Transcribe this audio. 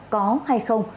có hay không